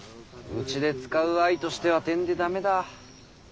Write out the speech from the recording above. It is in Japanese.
うちで使う藍としてはてんで駄目だ。